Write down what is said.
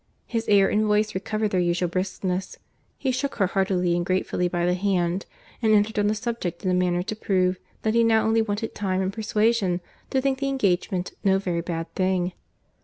His air and voice recovered their usual briskness: he shook her heartily and gratefully by the hand, and entered on the subject in a manner to prove, that he now only wanted time and persuasion to think the engagement no very bad thing.